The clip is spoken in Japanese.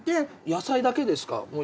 野菜だけですか？